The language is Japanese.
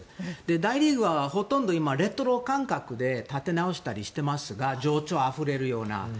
大リーグはほとんど今レトロ感覚で建て直したりしていますが情緒あふれるような。